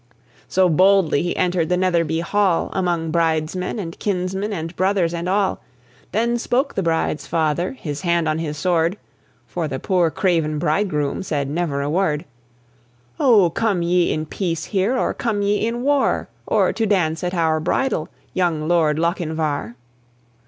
So boldly he entered the Netherby Hall, Among bridesmen and kinsmen and brothers and all: Then spoke the bride's father, his hand on his sword (For the poor craven bridegroom said never a word), "Oh, come ye in peace here, or come ye in war, Or to dance at our bridal, young Lord Lochinvar?"